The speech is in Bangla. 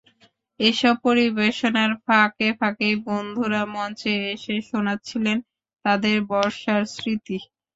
এসব পরিবেশনার ফাঁকে ফাঁকেই বন্ধুরা মঞ্চে এসে শোনাচ্ছিলেন তাদের বর্ষার স্মৃতি।